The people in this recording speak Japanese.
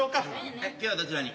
えっ今日はどちらに？